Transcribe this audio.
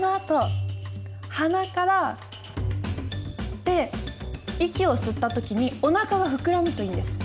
で息を吸った時におなかが膨らむといいんです。